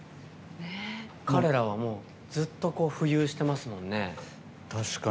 彼らはもうずっと浮遊してますもんね。